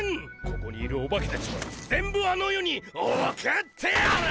ここにいるオバケたちは全部あの世に送ってやる！